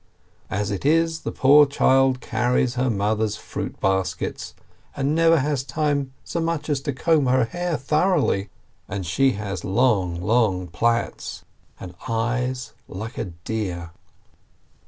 As it is, the poor child carries her mother's fruit baskets, and never has time so much as to comb her hair thoroughly, and she has long, long plaits, and eyes like a deer.